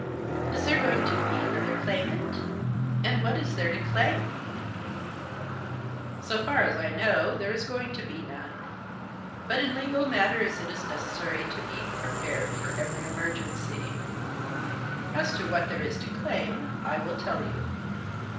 "Is there going to be another claimant? And what is there to claim ?"" So far as I know there is going to be none ; but in legal matters it is necessary to be prepared for every emergency. As to what there is to claim, I will tell you."